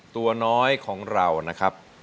ตัวน้อยของเรานะครับ